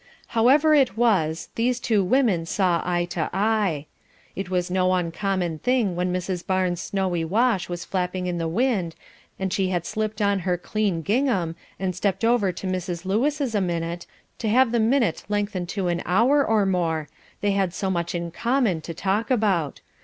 However it was, these two women saw eye to eye. It was no uncommon thing when Mrs. Barnes' snowy wash was flapping in the wind, and she had slipped on her clean gingham, and stepped over to Mrs. Lewis' a minute, to have the minute lengthen to an hour or more, they had so much in common to talk about.